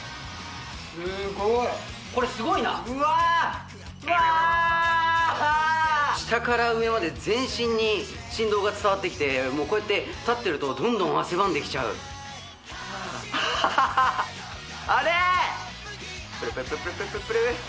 スゴい下から上まで全身に振動が伝わってきてもうこうやって立ってるとどんどん汗ばんできちゃうアハハハハッあれ！